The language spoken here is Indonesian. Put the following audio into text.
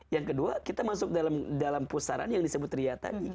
yang kedua kita masuk dalam pusaran yang disebut ria tadi